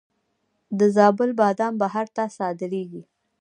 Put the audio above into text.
د زابل بادام بهر ته صادریږي.